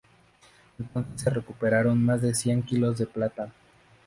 Entonces se recuperaron más de cien kilos de plata.